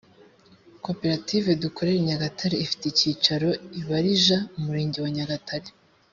koperative dukore nyagatare ifite icyicaro i balija, umurenge wa nyagatare